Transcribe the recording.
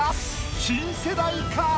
新世代か？